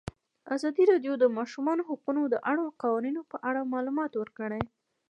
ازادي راډیو د د ماشومانو حقونه د اړونده قوانینو په اړه معلومات ورکړي.